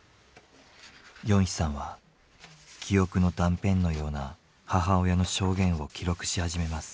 ヨンヒさんは記憶の断片のような母親の証言を記録し始めます。